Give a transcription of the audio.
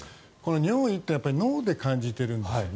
尿意って脳で感じているんですね。